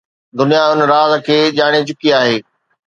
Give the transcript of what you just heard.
دنيا ان راز کي ڄاڻي چڪي آهي.